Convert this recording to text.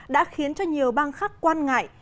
đã khiến cho nhiều bang khác quan ngại